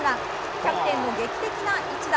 キャプテンの劇的な一打